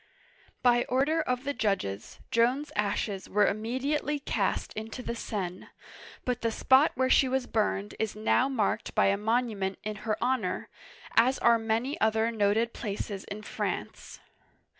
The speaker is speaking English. '* By order of the judges, Joan's ashes were immediately cast into the Seine, but the spot where she was burned is now marked by a monument in her honor, as are many other noted places in France.